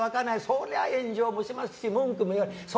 そりゃ炎上もしますし文句も言われます。